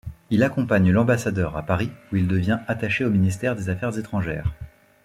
Il accompagne l'ambassadeur à Paris, où il devient attaché au ministère des Affaires étrangères.